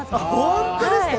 本当ですか！